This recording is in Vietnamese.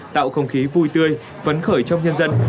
tạo không khí vui tươi phấn khởi trong nhân dân